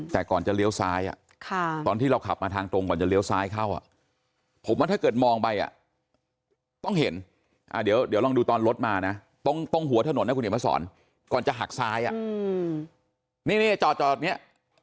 แต่ก่อนจะเลี้ยวซ้ายตอนที่เราขับมาทางตรงก่อนจะเลี้ยวซ้ายเข้าผมว่าถ้าเกิดมองไปต้องเห็นเดี๋ยวลองดูตอนรถมานะตรงหัวถนนนะคุณเห็นมาสอนก่อนจะหักซ้ายนี่จอดเนี่ย